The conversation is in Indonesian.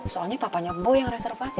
soalnya papanya bo yang reservasi